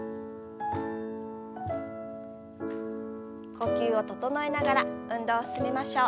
呼吸を整えながら運動を進めましょう。